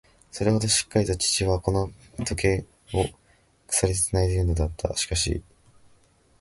それほどしっかりと父はこの時計の鎖をつかんでいるのだった。しかし、父がベッドに寝るやいなや、万事うまく片づいたように思われた。